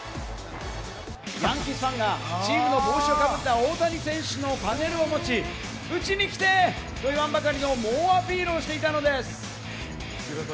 ヤンキースファンがチームの帽子をかぶった大谷選手のパネルを持ち、うちに来て！と言わんばかりの猛アピールをしていたんです。